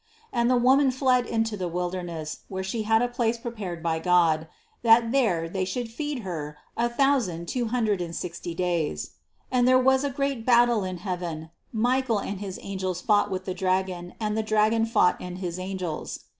And the woman fled into the wilderness where she had a place prepared by God, that there they should feed her a thousand two hundred and sixty days. 7. And there was a great battle in heaven ; Michael and his angels fought with the dragon and the dragon fought and his angels. 93 94 CITY OF GOD 8.